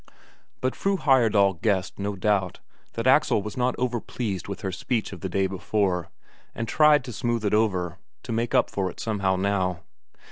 But Fru Heyerdahl guessed, no doubt, that Axel was not over pleased with her speech of the day before, and tried to smooth it over, to make up for it somehow now.